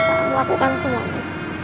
aku terpaksa melakukan semua itu